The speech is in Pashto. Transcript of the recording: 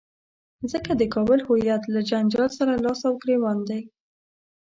ځکه د کابل هویت له جنجال سره لاس او ګرېوان دی.